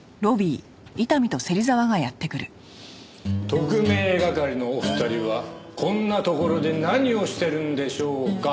特命係のお二人はこんなところで何をしてるんでしょうか？